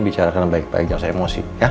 bicarakan baik baik jangan saya emosi